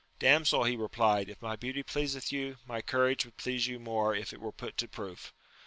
Damsel, he replied, if my beauty pleaseth yon, my courage would please you more if it were put to proof.